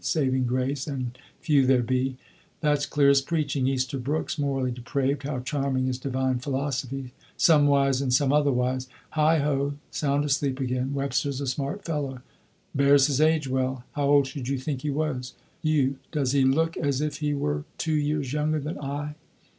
saving grace and few there be. That's clear as preaching Easter Brooks morally depraved how charming is divine philosophy somewise and some otherwise Heighho! (Sound asleep again.) Webster's a smart fellow bears his age well. How old should you think he was? you does he look as if he were two years younger than I?'"